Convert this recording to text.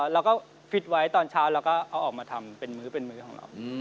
เราก็พิษไว้ตอนเช้าเราก็เอาออกมาทำเป็นมื้อของเรา